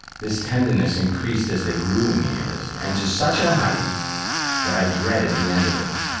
This tenderness increased as they grew in years, and to such a height, that I dreaded the end of it.